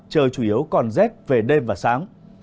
trời chủ yếu còn rét về đêm và sáng